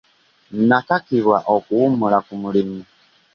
Nakakibwa okuwummula ku mulimu.